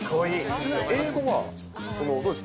ちなみに英語は、どうですか？